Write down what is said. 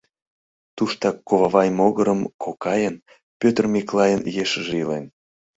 Туштак кувавай могырым кокайын, Пӧтыр Миклайын, ешыже илен.